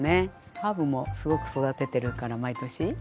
ハーブもすごく育ててるから毎年。